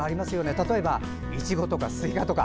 例えば、イチゴとかスイカとか。